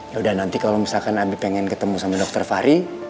ya udah nanti kalau misalkan abi pengen ketemu sama dokter fahri